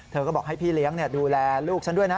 เธอก็บอกให้พี่เลี้ยงดูแลลูกฉันด้วยนะ